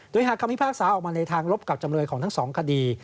โดยหากคำพิพากษาออกมาในทางลบกับจำเลยของทั้งสองคดี